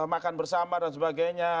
makan bersama dan sebagainya